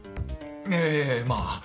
ええまあ。